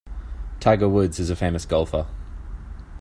Tiger Woods is a famous golfer.